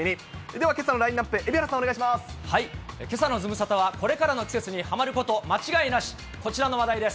ではけさのラインナップ、けさのズムサタは、これからの季節にはまること間違いなし、こちらの話題です。